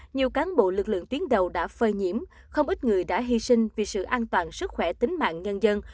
nhiều cán bộ lực lượng tuyến đầu đã phơi nhiễm không ít người đã hy sinh vì sự an toàn sức khỏe tính mạng nhân dân